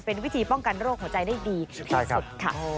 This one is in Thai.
เป็นวิธีป้องกันโรคหัวใจได้ดีที่สุดค่ะ